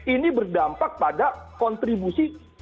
ini berdampak pada kontribusi